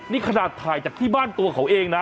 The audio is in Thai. นี่ขนาดถ่ายจากที่บ้านตัวเขาเองนะ